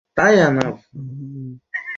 আমাদের নেত্রী কে বলো?